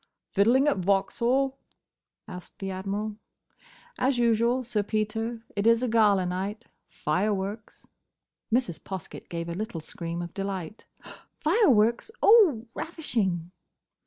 "Fiddling at Vauxhall?" asked the Admiral. "As usual, Sir Peter. It is a gala night. Fireworks." Mrs. Poskett gave a little scream of delight. "Fireworks! Oh, ravishing!"